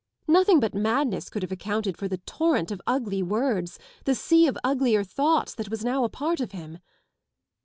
Nothing but madness could have accounted for the torrent of ugly words, the sea of uglier thoughts that was now a part of him.